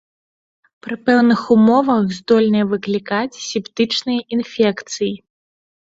Пры пэўных умовах здольныя выклікаць септычныя інфекцыі.